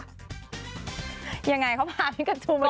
เขาพากระจู